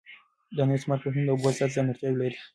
دا نوي سمارټ فونونه د اوبو ضد ځانګړتیاوې لري.